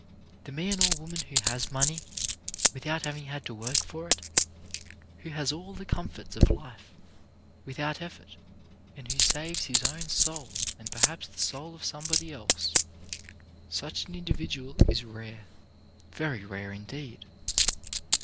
The man or woman who has money, without having had to work for it, who has all the com forts of life, without effort, and who saves his own soul and perhaps the soul of somebody else, such an individual is rare, very rare indeed.